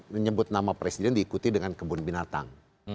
menyebut nama presiden diikuti dengan kebun binatang